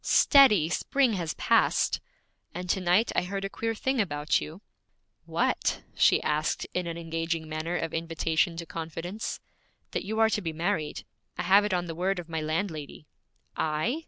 'Steady! Spring has passed.' 'And to night I heard a queer thing about you.' 'What?' she asked in an engaging manner of invitation to confidence. 'That you are to be married. I have it on the word of my landlady.' 'I?'